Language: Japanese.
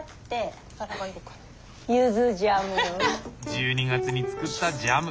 １２月に作ったジャム！